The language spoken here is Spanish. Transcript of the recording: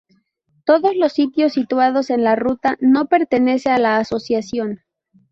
Todos los sitios situados en la ruta no pertenece a la asociación.